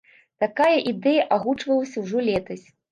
Такая ідэя агучвалася ўжо летась.